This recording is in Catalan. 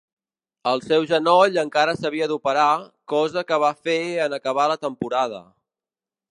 El seu genoll encara s'havia d'operar, cosa que va fer en acabar la temporada.